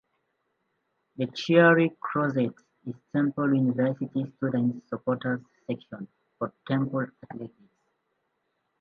The Cherry Crusade is Temple University's student supporters section for Temple Athletics.